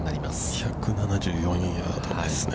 ◆１７４ヤードですね。